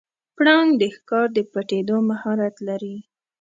پړانګ د ښکار د پټیدو مهارت لري.